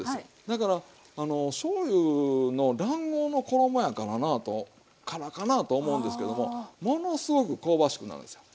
だからしょうゆの卵黄の衣やからかなと思うんですけどもものすごく香ばしくなるんですよ。